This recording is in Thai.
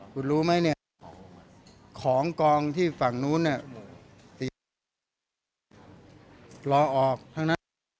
คุณรู้ไหมเนี่ยของกองที่ฝั่งนู้นเนี่ยติดรอออกทั้งนั้น